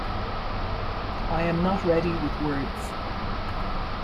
I am not ready with words.